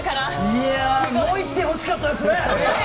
いやもう１点欲しかったですね。